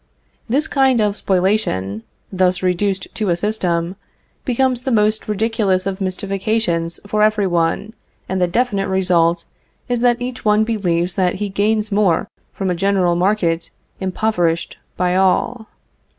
This kind of spoliation, thus reduced to a system, becomes then the most ridiculous of mystifications for every one, and the definite result is that each one believes that he gains more from a general market impoverished by all.